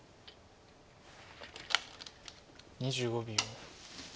２５秒。